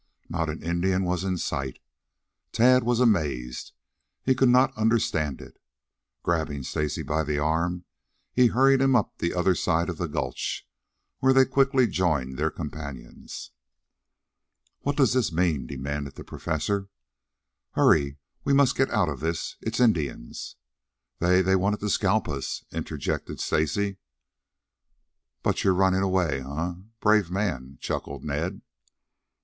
Not an Indian was in sight. Tad was amazed. He could not understand it. Grabbing Stacy by an arm he hurried him up the other side of the gulch, where they quickly joined their companions. "What does this mean?" demanded the Professor. "Hurry! We must get out of this. It's Indians!" "They they wanted to scalp us," interjected Stacy. "But you runned away, eh? Brave man!" chuckled Ned.